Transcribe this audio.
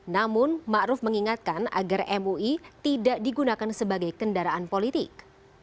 namun ma'ruf mengingatkan agar mui tidak digunakan sebagai kendaraan politik